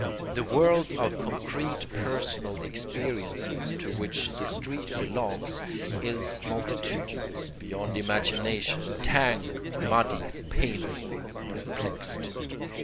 The world of concrete personal experiences to which the street belongs is multitudinous beyond imagination, tangled, muddy, painful and perplexed.